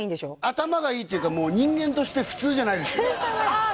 頭がいいっていうか人間として普通じゃないですああ